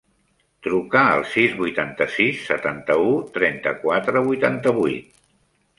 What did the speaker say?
Truca al sis, vuitanta-sis, setanta-u, trenta-quatre, vuitanta-vuit.